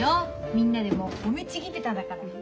みんなでもう褒めちぎってたんだから。